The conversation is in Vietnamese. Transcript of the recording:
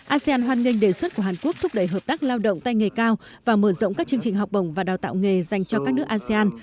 asean hoan nghênh đề xuất của hàn quốc thúc đẩy hợp tác lao động tay nghề cao và mở rộng các chương trình học bổng và đào tạo nghề dành cho các nước asean